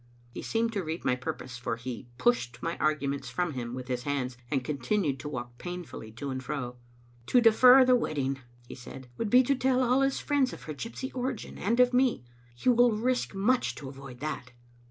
He seemed to read my purpose, for he pushed my arguments from him with his hands, and continued to walk painfully to and fro. "To defer the wedding," he said, "would be to tell all his friends of her gyp^^y origin, and of me. He will risk much to avoid that."